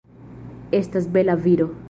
Estas bela viro.